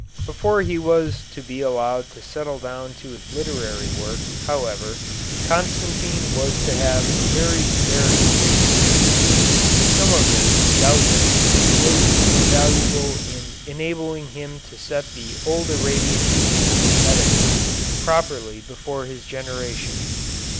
Before he was to be allowed to settle down to his literary work, however, Constantine was to have a very varied experience. Some of this doubtless was to be valuable in enabling him to set the old Arabian teachers of medicine properly before his generation.